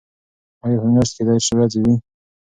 آیا په میاشت کې دېرش ورځې وي؟